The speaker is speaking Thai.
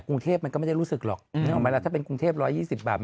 กรุงเทพมันก็ไม่ได้รู้สึกหรอกนึกออกไหมล่ะถ้าเป็นกรุงเทพ๑๒๐บาท